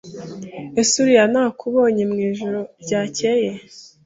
Ese Uriya nakubonye mwijoro ryakeye?